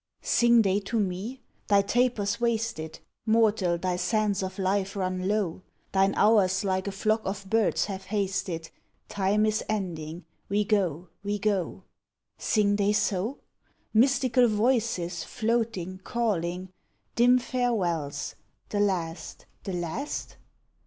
Sing they to me? 'Thy taper's wasted; Mortal, thy sands of life run low; Thine hours like a flock of birds have hasted: Time is ending; we go, we go.' Sing they so? Mystical voices, floating, calling; Dim farewells the last, the last?